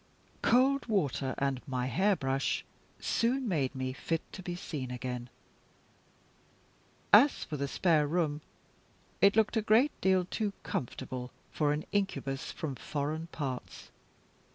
Cold water and my hairbrush soon made me fit to be seen again. As for the spare room, it looked a great deal too comfortable for an incubus from foreign parts.